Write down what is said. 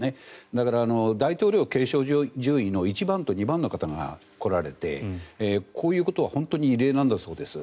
だから大統領継承順位の１番と２番の方が来られてこういうことは本当に異例だそうなんです。